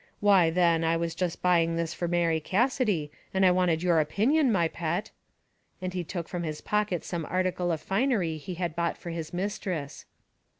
why then, I was just buying this for Mary Cassidy, and I wanted your opinion, my pet;" and he took from his pocket some article of finery he had bought for his mistress.